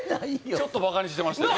ちょっとバカにしてましたよね